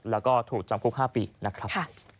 แล้วก็ถูกจำคุก๕ปีนะครับ